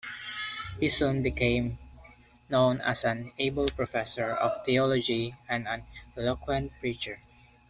He soon became known as an able professor of theology and an eloquent preacher.